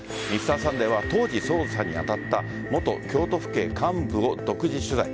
「Ｍｒ．サンデー」は当時捜査に当たった元京都府警幹部を独自取材。